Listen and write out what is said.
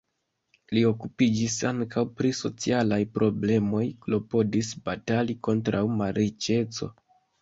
Li okupiĝis ankaŭ pri socialaj problemoj, klopodis batali kontraŭ malriĉeco.